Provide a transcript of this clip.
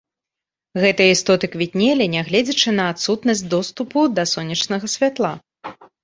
Гэтыя істоты квітнелі, нягледзячы на адсутнасць доступу да сонечнага святла.